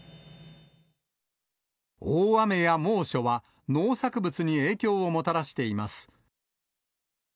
大雨や猛暑は、農作物に影響をもたらしています。